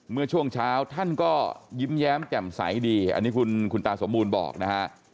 เมื่อช่วงเช้าท่านก็ยิ้มแย้มแจ่มใสดีอันนี้คุณตาสมบูรณ์บอกนะฮะ